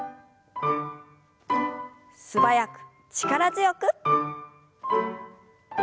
素早く力強く。